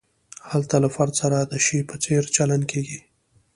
هلته له فرد سره د شي په څېر چلند کیږي.